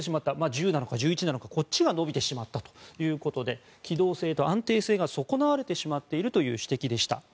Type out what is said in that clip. １０なのか１１なのか、こっちが伸びてしまったということで機動性と安定性が損なわれてしまっているという指摘でした。